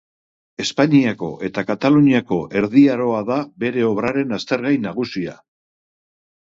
Espainiako eta Kataluniako Erdi Aroa da bere obraren aztergai nagusia.